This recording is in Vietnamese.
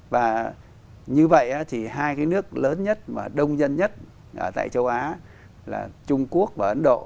và như vậy thì hai cái nước lớn nhất mà đông dân nhất ở tại châu á là trung quốc và ấn độ